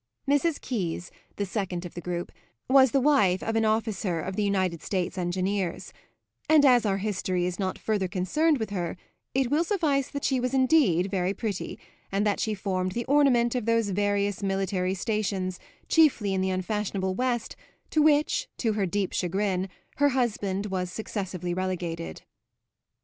Mrs. Keyes, the second of the group, was the wife of an officer of the United States Engineers, and as our history is not further concerned with her it will suffice that she was indeed very pretty and that she formed the ornament of those various military stations, chiefly in the unfashionable West, to which, to her deep chagrin, her husband was successively relegated.